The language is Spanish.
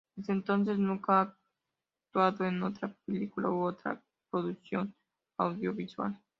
Desde entonces, nunca ha actuado en otra película u otra producción audiovisual.